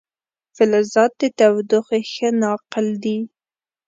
فلزات د تودوخې ښه ناقل دي.